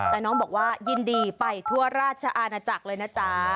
แต่น้องบอกว่ายินดีไปทั่วราชอาณาจักรเลยนะจ๊ะ